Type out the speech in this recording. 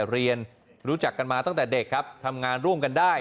เรียนรู้จักกันมาตั้งแต่เด็กครับทำงานร่วมกันได้